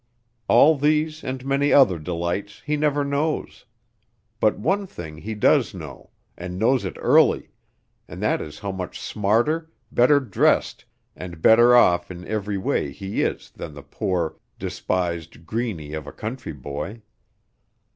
All these and many other delights he never knows; but one thing he does know, and knows it early, and that is how much smarter, better dressed and better off in every way he is than the poor, despised greeny of a country boy!